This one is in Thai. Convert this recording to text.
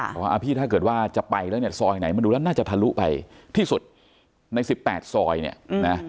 บอกว่าพี่ถ้าเกิดว่าจะไปแล้วเนี่ยซอยไหนมันดูแล้วน่าจะทะลุไปที่สุดใน๑๘ซอยเนี่ยนะ